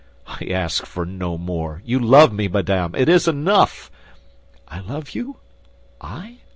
"I ask for no more. You love me, madame; it is enough." "I love you, I?"